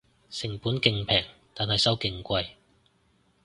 成本勁平但係收勁貴